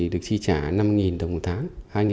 được chi trả năm đồng một tháng